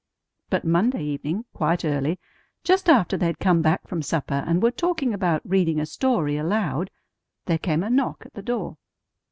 But Monday evening quite early, just after they had come back from supper and were talking about reading a story aloud, there came a knock at the door.